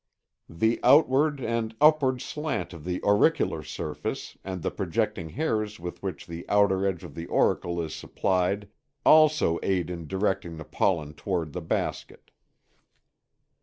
The outward and upward slant of the auricular surface and the projecting hairs with which the outer edge of the auricle is supplied also aid in directing the pollen toward the basket.